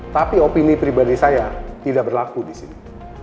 tapi opini pribadi saya tidak berlaku di sini